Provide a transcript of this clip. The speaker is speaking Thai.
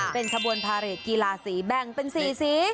เป็นขบวนพาเรทกีฬาสีแบ่งเป็น๔สี